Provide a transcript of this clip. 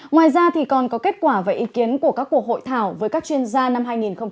ngoài ra còn có kết quả và ý kiến của các cuộc hội thảo với các chuyên gia năm hai nghìn một mươi chín